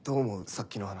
さっきの話。